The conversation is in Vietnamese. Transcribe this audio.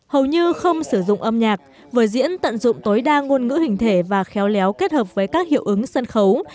hầu như không sử dụng âm nhạc vở diễn tận dụng tối đa ngôn ngữ hình thể và khéo léo kết hợp với các hiệu ứng sân khấu